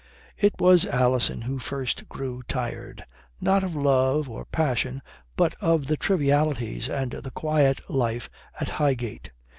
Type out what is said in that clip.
It was Alison who first grew tired. Not of love or passion, but of the trivialities and the quiet life at Highgate.